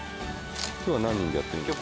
今日は何人でやってるんですか？